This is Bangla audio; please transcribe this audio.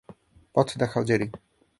পথ দেখাও, জেরি।